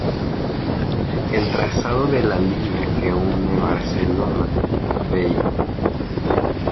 El trazado de la línea, que une Barcelona-Pl.